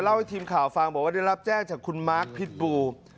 ให้ทีมข่าวฟังบอกว่าได้รับแจ้งจากคุณมาร์คพิษบู